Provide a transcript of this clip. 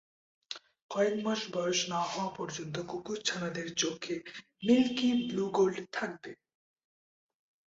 কয়েক মাস বয়স না হওয়া পর্যন্ত কুকুরছানাদের চোখে মিল্কি ব্লু-গোল্ড থাকবে।